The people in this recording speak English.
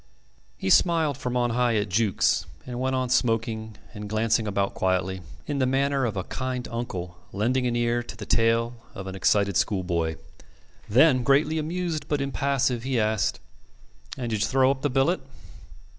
He smiled from on high at Jukes, and went on smoking and glancing about quietly, in the manner of a kind uncle lending an ear to the tale of an excited schoolboy. Then, greatly amused but impassive, he asked: "And did you throw up the billet?"